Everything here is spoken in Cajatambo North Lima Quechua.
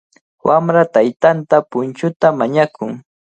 Wamra taytanta punchuta mañakun.